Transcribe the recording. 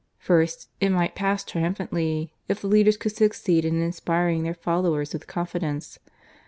First, it might pass triumphantly, if the leaders could succeed in inspiring their followers with confidence.